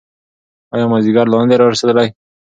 ایا مازیګر لا نه دی رارسېدلی؟